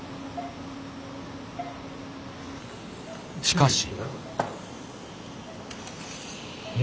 しかし。